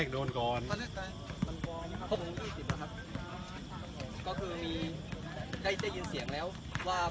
โดนด้วยกันนะครับ